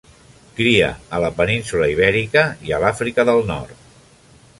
Cria a la península Ibèrica i a l'Àfrica del Nord.